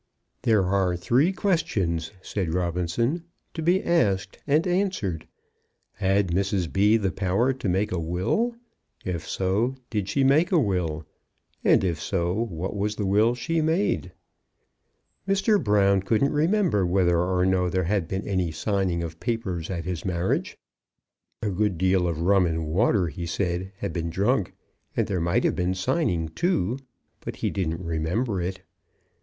"There are three questions," said Robinson, "to be asked and answered. Had Mrs. B. the power to make a will? If so, did she make a will? And if so, what was the will she made?" Mr. Brown couldn't remember whether or no there had been any signing of papers at his marriage. A good deal of rum and water, he said, had been drunk; and there might have been signing too, but he didn't remember it.